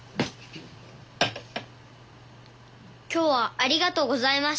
今日はありがとうございましたって。